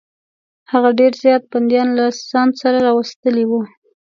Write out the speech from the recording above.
هغه ډېر زیات بندیان له ځان سره راوستلي وه.